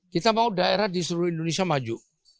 kita mau daerah di seluruh indonesia maju